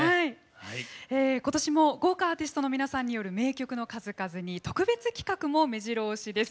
ことしも豪華アーティストの皆さんによる名曲の数々に特別企画もめじろ押しです。